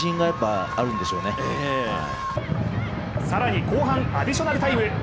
更に、後半アディショナルタイム。